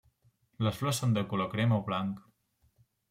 Les flors són de color crema o blanc.